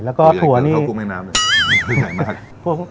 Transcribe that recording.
แล้วก็ถั่วนี่ตัวใหญ่เกิดเข้ากุ้งแม่น้ำเนี่ยตัวใหญ่มาก